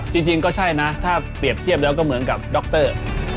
จริงก็ใช่นะถ้าเปรียบเทียบแล้วก็เหมือนกับดร